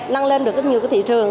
nâng lên được rất nhiều cái thị trường